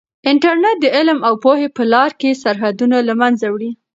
انټرنیټ د علم او پوهې په لاره کې سرحدونه له منځه وړي.